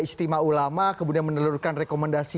istimewa ulama kemudian menelurkan rekomendasi